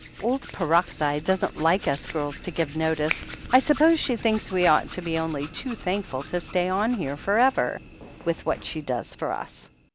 "Old Peroxide doesn't like us girls to give notice. I suppose she thinks we ought to be only too thankful to stay on here for ever, with what she does for us."